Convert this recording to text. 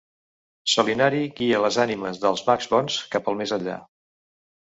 Solinari guia les ànimes dels macs bons cap al més enllà.